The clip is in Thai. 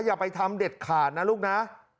อย่าไปทำเด็ดขาดนะลูกนะ